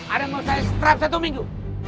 ada yang mau saya setiap satu minggu